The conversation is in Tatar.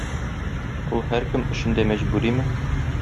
Ул һәркем өчен дә мәҗбүриме?